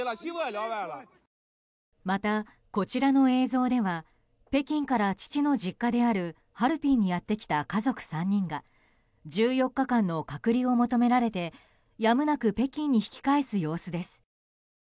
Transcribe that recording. また、こちらの映像では北京から父の実家であるハルピンにやってきた家族３人が１４日間の隔離を求められてやむなく北京に引き返す様子です。